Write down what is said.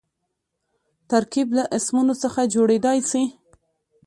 ترکیب له اسمونو څخه جوړېدای سي.